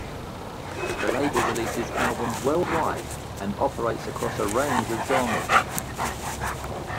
The label releases albums worldwide and operates across a range of genres.